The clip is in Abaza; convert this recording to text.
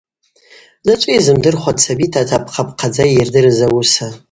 Дзачӏвыйа йзымдырхуа дсабита апхъапхъадза ййырдырыз ауыса?